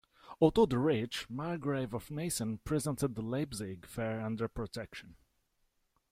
Otto the Rich, Margrave of Meissen presented the Leipzig fairs under protection.